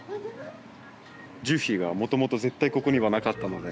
樹皮がもともと絶対ここにはなかったので。